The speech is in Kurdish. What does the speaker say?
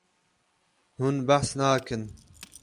Hûn behs nakin.